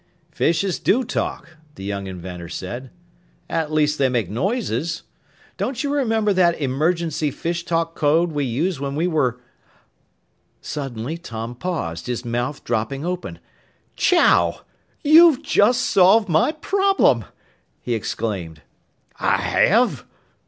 "Fish do talk," the young inventor said. "At least they make noises. Don't you remember that emergency fish talk code we used when we were " Suddenly Tom paused, his mouth dropping open. "Chow! You've just solved my problem!" he exclaimed. "I have?"